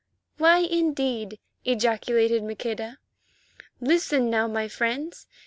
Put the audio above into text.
"Why, indeed?" ejaculated Maqueda. "Listen, now, my friends.